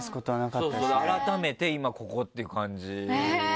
改めて今ここっていう感じだよね。